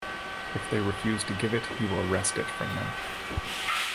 If they refuse to give it, he will wrest it from them.